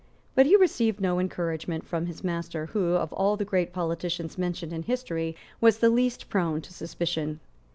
But he received no encouragement from his master, who, of all the great politicians mentioned in history, was the least prone to suspicion.